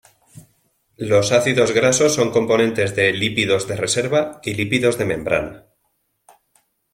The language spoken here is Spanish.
Los ácidos grasos son componentes de lípidos de reserva y lípidos de membrana.